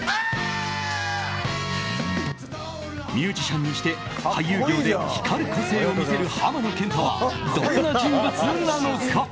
ミュージシャンにして俳優業で光る個性を見せる浜野謙太はどんな人物なのか。